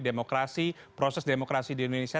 demokrasi proses demokrasi di indonesia